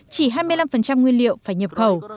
chỉ hai mươi năm nguyên liệu phải nhập khẩu